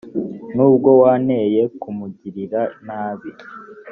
nubwo wanteye kumugirira nabi